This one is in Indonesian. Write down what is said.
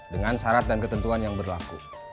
dengan syarat dan ketentuan yang berlaku